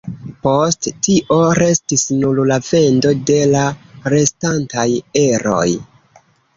Post tio restis nur la vendo de la restantaj eroj.